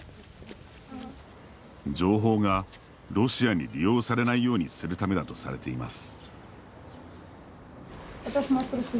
情報がロシアに利用されないようにするためだとされています。